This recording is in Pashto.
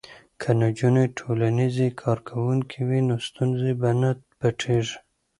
که نجونې ټولنیزې کارکوونکې وي نو ستونزې به نه پټیږي.